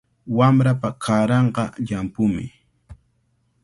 Wamrapa kaaranqa llampumi.